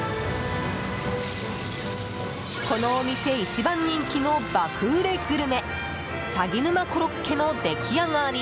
このお店一番人気の爆売れグルメさぎ沼コロッケの出来上がり。